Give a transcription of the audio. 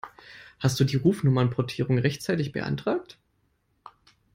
Hast du die Rufnummernportierung rechtzeitig beantragt?